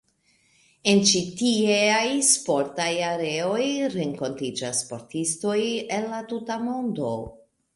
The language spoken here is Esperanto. En ĉi tieaj sportaj areoj renkontiĝas sportistoj el la tuta mondo.